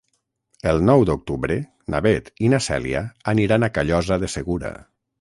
El nou d'octubre na Beth i na Cèlia aniran a Callosa de Segura.